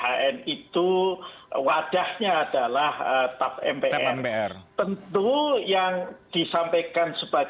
ya itu konsensi yang disampaikan oleh